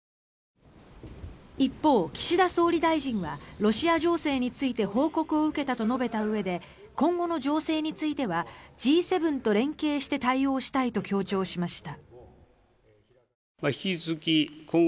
一方、岸田総理大臣はロシア情勢について報告を受けたと述べたうえで今後の情勢についてはＧ７と連携して対応したいと強調しました。